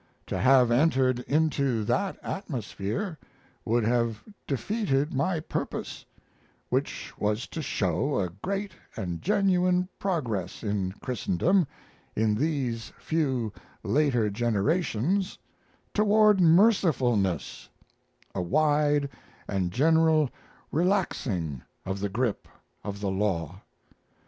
To have entered into that atmosphere would have defeated my purpose, which was to show a great and genuine progress in Christendom in these few later generations toward mercifulness a wide and general relaxing of the grip of the law.